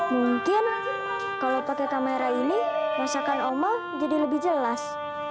mungkin kalau pakai kamera ini masakan omel jadi lebih jelas